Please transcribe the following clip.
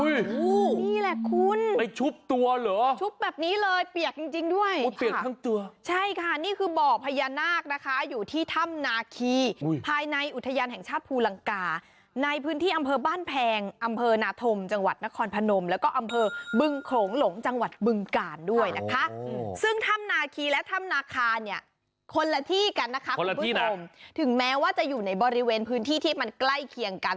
อีกหนึ่งเรื่องความเชื่อเกี่ยวกับความศรัทธาที่เหล่าสาธุชนเขาไปทำการชุบตัวในบ่พญานาคเสริมสิริมงคลค่ะ